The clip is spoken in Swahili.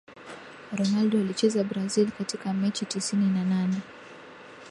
Ronaldo alicheza Brazil katika mechi tisini na nane